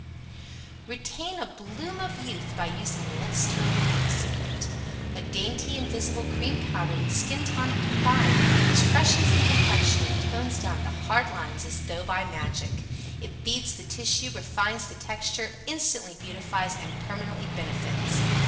Retain a "Bloom of Youth" By Using Luxtone Beauty Secret A dainty invisible CREAM POWDER and SKIN TONIC combined, which freshens the complexion and tones down the HARD LINES as tho' by magic. It FEEDS the tissue, REFINES the texture, INSTANTLY beautifies, and PERMANENTLY benefits.